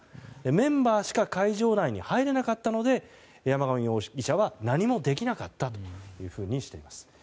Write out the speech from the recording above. メンバーしか会場内には入れなかったので山上容疑者は何もできなかったというふうに言っています。